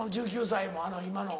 １９歳も今の。